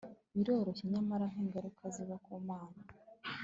Biryoshe nyamara nkingaruka ziva ku Mana